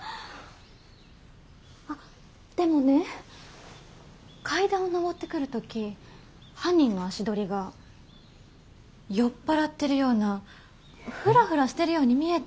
あっでもね階段を上ってくる時犯人の足取りが酔っ払ってるようなフラフラしてるように見えて。